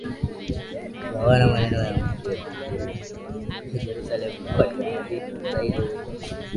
kugawana maeneo ya mji wa jerusalem kwa taarifa zaidi huyu hapa enamuel